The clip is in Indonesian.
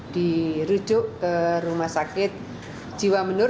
dirujuk ke rumah sakit jiwa menur